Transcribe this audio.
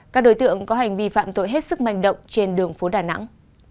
các đối tượng có hành vi phạm tội hết sức manh động trên đường phố đà nẵng